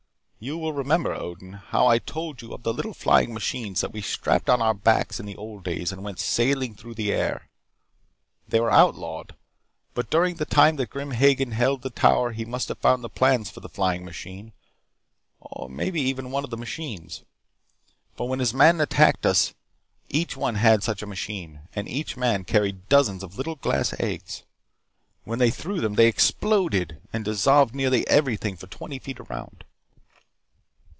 You will remember, Odin, how I told you of the little flying machines that we strapped on our backs in the old days and went sailing through the air. They were outlawed. But during the time that Grim Hagen held the tower he must have found the plans for the flying machine, or maybe even one of the machines. For when his men attacked us, each one had such a machine. And each man carried dozens of little glass eggs. When they threw them they exploded and dissolved nearly everything for twenty foot around.